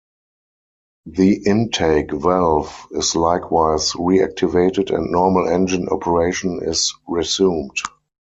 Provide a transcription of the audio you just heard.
The intake valve is likewise reactivated and normal engine operation is resumed.